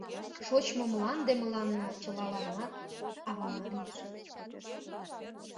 Шочмо мланде мыланна чылаланат Авана лиеш.